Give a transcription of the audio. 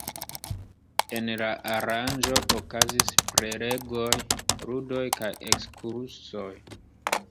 En la aranĝo okazis prelegoj, ludoj kaj ekskursoj.